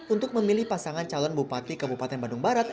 untuk memilih pasangan calon bupati kabupaten bandung barat